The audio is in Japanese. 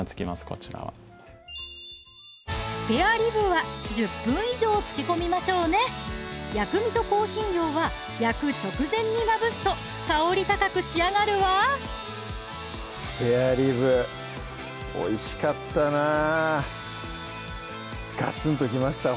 こちらはスペアリブは１０分以上漬け込みましょうね薬味と香辛料は焼く直前にまぶすと香り高く仕上がるわスペアリブおいしかったなガツンときました